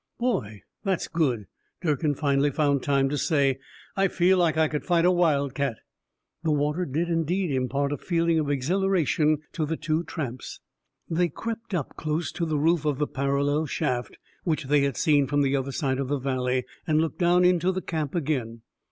"Boy, that's good," Durkin finally found time to say, "I feel like I could fight a wildcat." The water did, indeed, impart a feeling of exhilaration to the two tramps. They crept up close to the roof of the parallel shaft which they had seen from the other side of the valley, and looked down into the camp again.